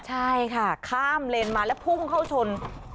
ใช่ค่ะข้ามเลนมาแล้วพุ่งเข้าชน